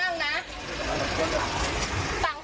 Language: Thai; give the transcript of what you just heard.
พี่แม่งตายตกผู้ชายกันล่ะ